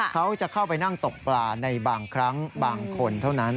เขาจะเข้าไปนั่งตกปลาในบางครั้งบางคนเท่านั้น